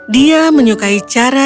dia menyukai cara dipercaya